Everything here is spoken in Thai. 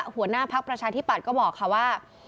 หัวหน้าพักประชาธิปัตย์ก็บอกค่ะว่า